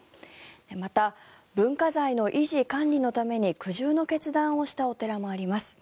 また、文化財の維持・管理のために苦渋の決断をしたお寺もあります。